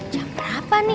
jam berapa nih